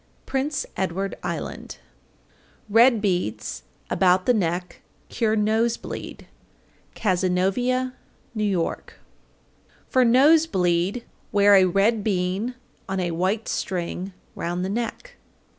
Prince Edward Island. 801. Red beads about the neck cure nose bleed. Cazenovia, N.Y. 802. For nose bleed wear a red bean on a white string round the neck.